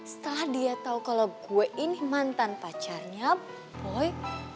setelah dia tahu kalau gue ini mantan pacarnya boy